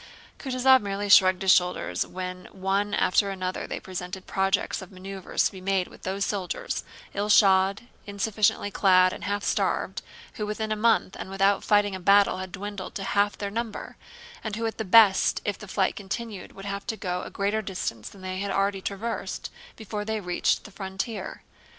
Kutúzov merely shrugged his shoulders when one after another they presented projects of maneuvers to be made with those soldiers—ill shod, insufficiently clad, and half starved—who within a month and without fighting a battle had dwindled to half their number, and who at the best if the flight continued would have to go a greater distance than they had already traversed, before they reached the frontier.